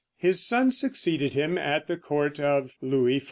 His son succeeded him at the court of Louis XIV.